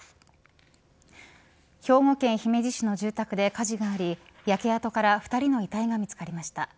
兵庫県姫路市の住宅で火事があり焼け跡から２人の遺体が見つかりました。